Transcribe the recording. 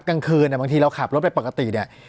กลางคืนบางทีเราขับรถไปปกติเนี่ย